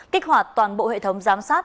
kích hoạt toàn bộ hệ thống giám sát